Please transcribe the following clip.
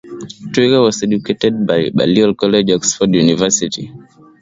Twigger was educated at Balliol College, Oxford University.